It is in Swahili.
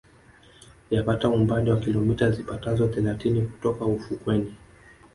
Yapata umbali wa kilomita zipatazo thelathini kutoka ufukweni